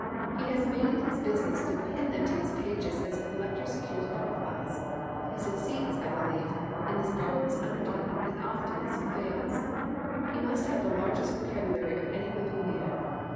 He has made it his business to pin them to his pages as a collector secures butterflies. He succeeds, I believe, in this perilous undertaking as often as he fails. He must have the largest vocabulary of any living man.